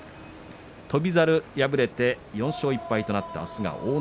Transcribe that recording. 翔猿、敗れて４勝１敗となりました。